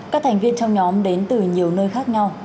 các thành viên trong nhóm đến từ nhiều nơi khác nhau